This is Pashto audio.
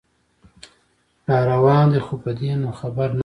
راروان دی خو په دې نو خبر نه دی